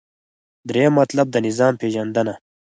دریم مطلب : د نظام پیژندنه